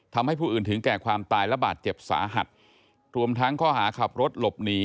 ทำให้ผู้อื่นถึงแก่ความตายและบาดเจ็บสาหัสรวมทั้งข้อหาขับรถหลบหนี